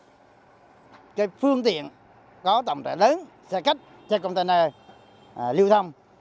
là nên hạn chế cái phương tiện có tổng trại lớn xe khách trên container lưu thông